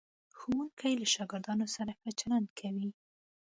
ښوونکی له شاګردانو سره ښه چلند کوي.